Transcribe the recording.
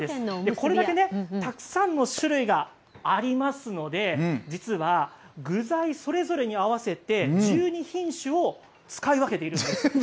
これだけたくさんの種類がありますので、実は具材それぞれに合わせて１２品種を使い分けているんです。